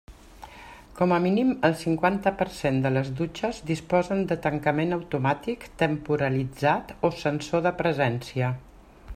Com a mínim el cinquanta per cent de les dutxes disposen de tancament automàtic temporalitzat o sensor de presència.